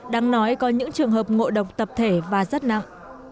đáng nói có những trường hợp ngộ độc tập thể và rất nặng